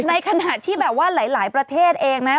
ในขณะที่แบบว่าหลายประเทศเองนะ